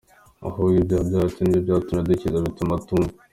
Ahubwo ibyaha byacu nibyo byatumye atadukiza bituma atatwumva.